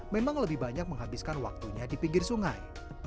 memang lebih banyak menghabiskan waktunya di pinggir sungai